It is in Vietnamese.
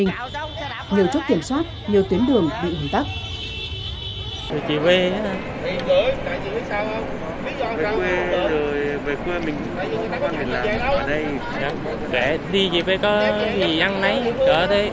nhiều chốt kiểm soát nhiều tuyến đường bị ủn tắc